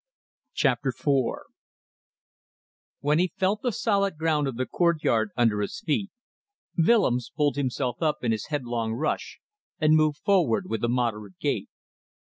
CHAPTER FOUR When he felt the solid ground of the courtyard under his feet, Willems pulled himself up in his headlong rush and moved forward with a moderate gait.